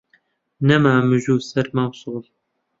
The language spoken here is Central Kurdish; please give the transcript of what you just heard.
نەما مژ و سەرما و سۆڵ